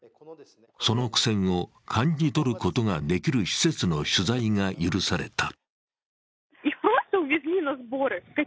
その苦戦を感じ取ることができる施設の取材が許された。